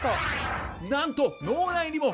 なんと脳内にも！